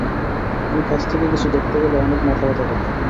আমি কাছ থেকে কিছু দেখতে গেলে অনেক মাথা ব্যথা করে।